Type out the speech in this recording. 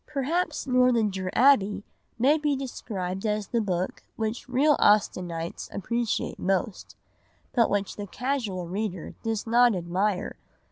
Perhaps Northanger Abbey may be described as the book which real Austenites appreciate most, but which the casual reader does not admire.